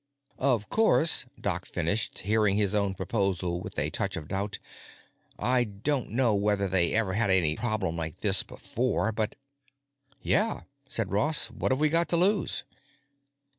Of course," Doc finished, hearing his own proposal with a touch of doubt, "I don't know whether they ever had any problem like this before, but——" "Yeah," said Ross. "What have we got to lose?"